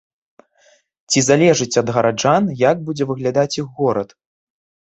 Ці залежыць ад гараджан, як будзе выглядаць іх горад?